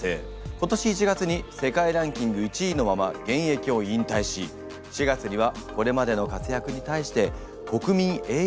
今年１月に世界ランキング１位のまま現役を引退し４月にはこれまでの活躍に対して国民栄誉賞を授与されました。